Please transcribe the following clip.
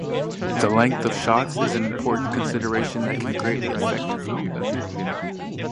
The length of shots is an important consideration that can greatly affect a film.